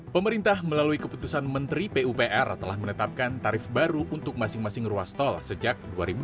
pemerintah melalui keputusan menteri pupr telah menetapkan tarif baru untuk masing masing ruas tol sejak dua ribu dua puluh